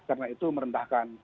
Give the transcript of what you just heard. karena itu merendahkan